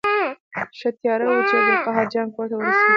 ښه تیاره وه چې عبدالقاهر جان کور ته ورسېدو.